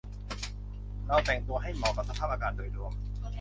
เราแต่งตัวให้เหมาะกับสภาพอากาศโดยรวม